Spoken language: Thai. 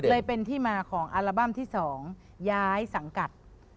เลยเป็นที่มาของอัลบั้มที่๒ย้ายสังกัด